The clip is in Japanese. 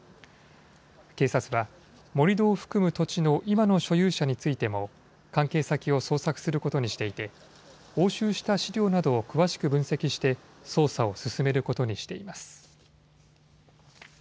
警察は盛り土を含む土地の今の所有者についても関係先を捜索することにしていて押収した資料などを詳しく分析して捜査を進めることにしています。